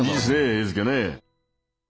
絵付けね。